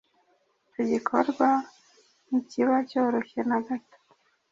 Icyo gikorwa ntikiba cyoroshye na gato